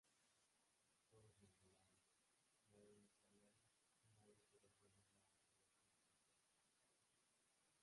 Todos nos miraban, nadie nos hablaba, nadie quería tener nada que ver con nosotros.